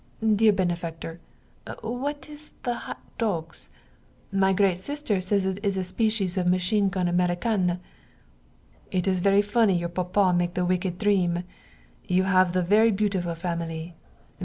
Dear benefactor, what is it the hot dogs? My great sister say it is a species of machine gun American. It is very funny your Papa make the wicked dream! You have the very beautiful family.